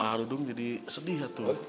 arudung jadi sedih ya tuh